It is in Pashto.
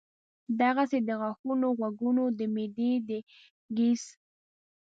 دغسې د غاښونو ، غوږونو ، د معدې د ګېس ،